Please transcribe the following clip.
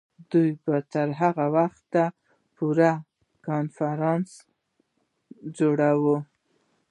دوی به تر هغه وخته پورې کنفرانسونه جوړوي.